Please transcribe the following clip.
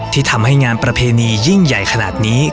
ที่ทำให้งานประเพณียิ่งใหญ่ขนาดนี้